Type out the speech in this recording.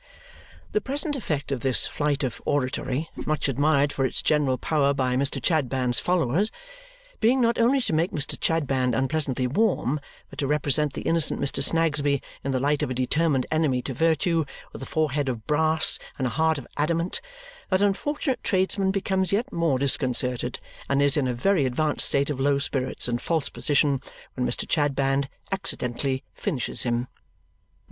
The present effect of this flight of oratory much admired for its general power by Mr. Chadband's followers being not only to make Mr. Chadband unpleasantly warm, but to represent the innocent Mr. Snagsby in the light of a determined enemy to virtue, with a forehead of brass and a heart of adamant, that unfortunate tradesman becomes yet more disconcerted and is in a very advanced state of low spirits and false position when Mr. Chadband accidentally finishes him.